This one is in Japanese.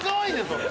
それ。